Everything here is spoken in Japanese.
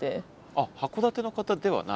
あっ函館の方ではない？